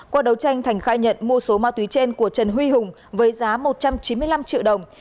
qua đấu tranh thành khai nhận mua số ma túy trên của trần huy hùng với giá một trăm chín mươi năm triệu đồng